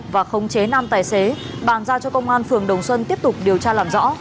và khống chế nam tài xế bàn ra cho công an phường đồng xuân tiếp tục điều tra làm rõ